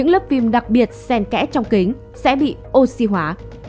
lớp phim đặc biệt xen kẽ trong kính sẽ bị oxy hóa